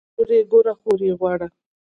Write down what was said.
ورور ئې ګوره خور ئې غواړه